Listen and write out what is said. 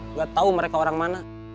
nggak tahu mereka orang mana